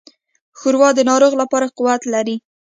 ښوروا د ناروغ لپاره قوت لري.